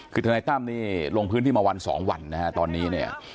คือทนายตั้มนี่ลงพื้นที่มาวันสองวันนะฮะตอนนี้เนี่ย